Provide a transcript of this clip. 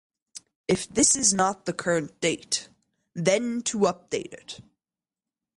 If this is not the current date, then to update it.